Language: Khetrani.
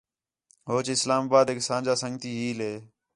ہوچ اسلام آبادیک اَساں جا سنڳتی ہیل ہے